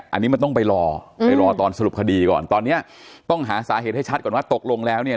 อันนี้มันต้องไปรอไปรอตอนสรุปคดีก่อนตอนเนี้ยต้องหาสาเหตุให้ชัดก่อนว่าตกลงแล้วเนี่ย